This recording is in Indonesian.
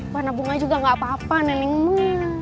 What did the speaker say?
warna bunga juga gak apa apa neneng mak